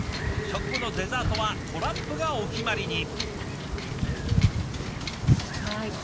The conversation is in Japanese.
食後のデザートはトランプがお決まりに。